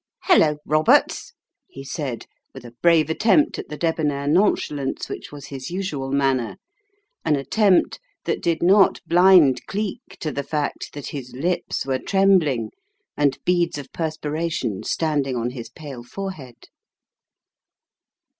"Hello, Roberts," he said with a brave attempt at the debonair nonchalance which was his usual manner, an attempt that did not blind Cleek to the fact that his lips were trembling and beads of per spiration standing on his pale forehead.